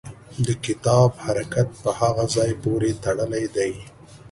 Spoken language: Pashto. د کتاب حرکت په هغه ځای پورې تړلی دی.